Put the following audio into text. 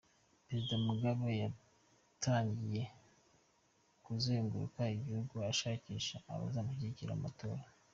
Perezida Mugabe yatangiye kuzenguruka igihugu ashakisha abazamushyigikira mu matora .